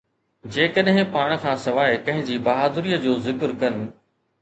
جيڪڏهن پاڻ کان سواءِ ڪنهن جي بهادريءَ جو ذڪر ڪن.